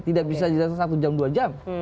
tidak bisa di dasar satu jam dua jam